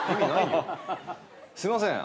すいません。